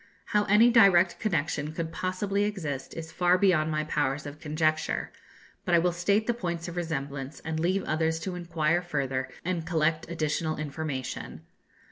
How any direct connection could possibly exist, is far beyond my powers of conjecture; but I will state the points of resemblance, and leave others to inquire further and collect additional information.